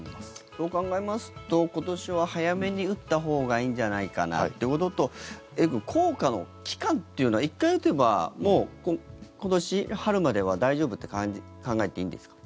そう考えますと今年は早めに打ったほうがいいんじゃないかなってことと効果の期間っていうのは１回打てばもう今年、春までは大丈夫って考えていいんですか？